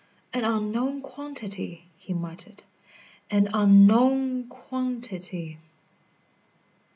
"An unknown quantity!" he muttered. "An unknown quantity!"